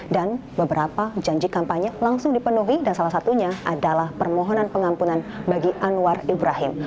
dan beberapa janji kampanye langsung dipenuhi dan salah satunya adalah permohonan pengampunan bagi anwar ibrahim